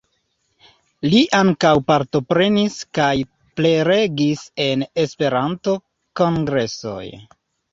Li ankaŭ partoprenis kaj prelegis en Esperanto-kongresoj.